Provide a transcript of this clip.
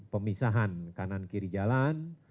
pemisahan kanan kiri jalan